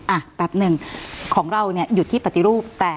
อ่ะแป๊บนึงของเราเนี่ยอยู่ที่ปฏิรูป